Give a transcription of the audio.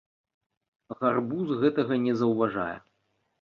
Гарбуз гэтага не заўважае.